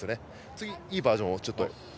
次、いいバージョンを。